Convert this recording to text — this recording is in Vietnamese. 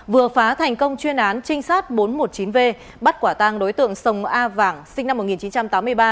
vừa phá thành công chuyên án trinh sát bốn trăm một mươi chín v bắt quả tang đối tượng sông a vàng sinh năm một nghìn chín trăm tám mươi ba